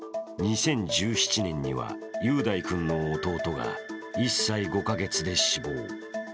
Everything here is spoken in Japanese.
２０１７年には、雄大君の弟が１歳５カ月で死亡。